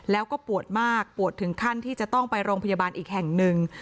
แล้วก็ปวดมากปวดถึงขั้นที่จะต้องไปโรงพยาบาลอีกแห่งหนึ่ง